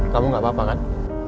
kamu gak apa apa kan